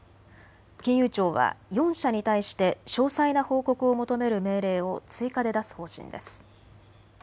金融庁は４社に対して詳細な報告を求める命令を追加で出す方針です。